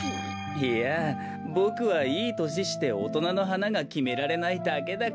いやボクはいいとししておとなのはながきめられないだけだから。